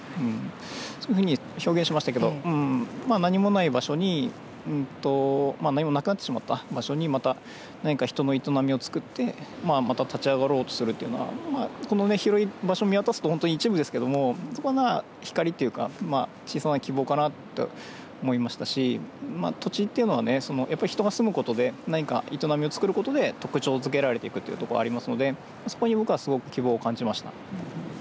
そういうふうに表現しましたけど何もない場所に何もなくなってしまった場所にまた、何か人の営みを作ってまた立ち上がろうとするというのは、この広い場所を見渡すと、本当に一部ですけどもそこが光というか小さな希望かなと思いましたし土地というのはやっぱり人が住むことで何か営みを作ることで特徴づけられていくというところがありますのでそこに僕はすごく希望を感じました。